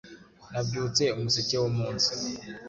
Nabyutse Umuseke Wumunsi